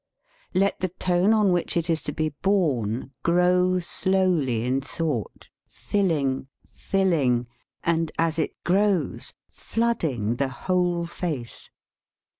Let the tone on which it is to be \ borne grow slowly in thought, filling, fill \ ing, and, as it grows, flooding the whole face.